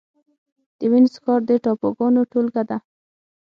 د وينز ښار د ټاپوګانو ټولګه ده.